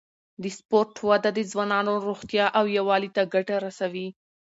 د سپورت وده د ځوانانو روغتیا او یووالي ته ګټه رسوي.